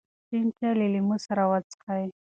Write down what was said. شین چای له لیمو سره وڅښئ.